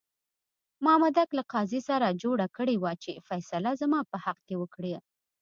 مامدک له قاضي سره جوړه کړې وه چې فیصله زما په حق کې وکړه.